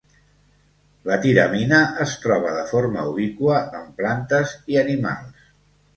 La tiramina es troba de forma ubiqua en plantes i animals.